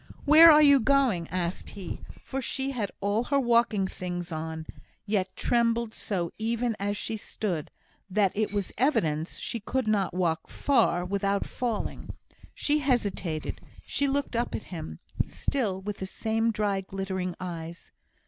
"Where are you going?" asked he; for she had all her walking things on, yet trembled so, even as she stood, that it was evident she could not walk far without falling. She hesitated she looked up at him, still with the same dry glittering eyes.